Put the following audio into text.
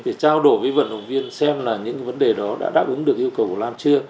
để trao đổi với vận động viên xem là những vấn đề đó đã đáp ứng được yêu cầu của lan chưa